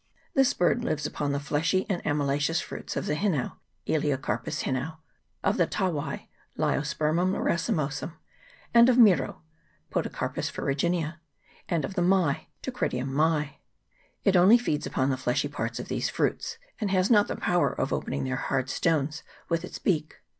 This bird lives upon the fleshy and amylaceous fruits of the hinau (Elacocarpus hinau), of the tawai (Leiospermum racemosum), of the miro (Po docarpus ferruginea), and of the mai (Dacrydium mai). It only feeds upon the fleshy parts of these fruits, and has not the power of opening their hard stones with its beak.